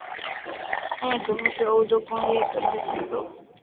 商业革命是欧洲工业革命的前奏。